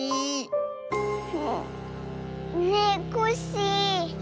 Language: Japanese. ねえコッシー。